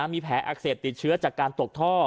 มีแผลอักเสบติดเชื้อจากการตกท่อ